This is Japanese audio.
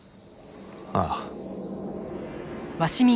ああ。